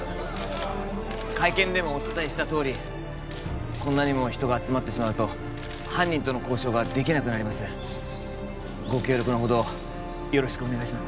会見でもお伝えしたとおりこんなにも人が集まってしまうと犯人との交渉ができなくなりますご協力のほどよろしくお願いします